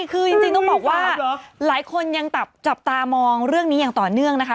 คือจริงต้องบอกว่าหลายคนยังจับตามองเรื่องนี้อย่างต่อเนื่องนะคะ